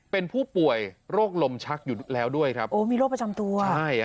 เป็นผู้ป่วยโรคลมชักอยู่แล้วด้วยครับโอ้มีโรคประจำตัวใช่